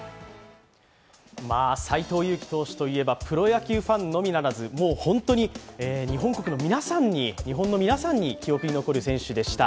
斎藤佑樹投手といえばプロ野球ファンのみならず、日本の皆さんに記憶に残る選手でした。